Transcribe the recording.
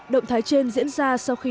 động thái trên diễn ra sau khi